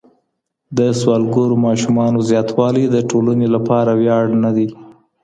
د سوالګرو ماشومانو زیاتوالی د ټولني لپاره ویاړ نه دی.